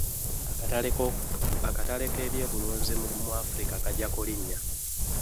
Akatale ke by'obulunzi mu Afrika kajja kulinnya.